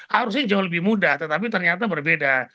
harusnya jauh lebih mudah tetapi ternyata berbeda